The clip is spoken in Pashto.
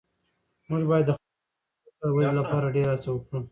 موږ باید د خپلو اولادونو د فکري ودې لپاره ډېره هڅه وکړو.